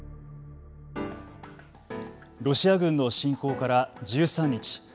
ロシア軍の侵攻から１３日。